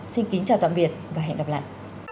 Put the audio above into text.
xin kính chào tạm biệt và hẹn gặp lại